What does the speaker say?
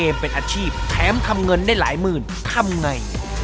เป็นอาชีพแถมทำเงินได้หลายหมื่นทำไง